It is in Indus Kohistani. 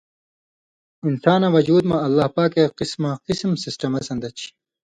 انساناں وجُود مہ اللہ پاکے قِسما قِسم سسٹمہ سن٘دہ چھی۔